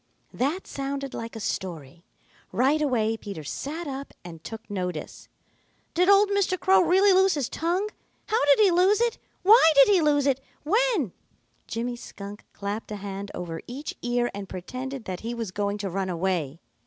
That sounded like a story. Right away Peter sat up and took notice. "Did old Mr. Crow really lose his tongue? How did he lose it? Why did he lose it? When " Jimmy Skunk clapped a hand over each ear and pretended that he was going to run away.